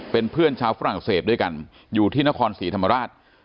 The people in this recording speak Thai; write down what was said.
เป็นเพื่อนชาวฝรั่งเศสด้วยกันอยู่ที่นครศรีธรรมราช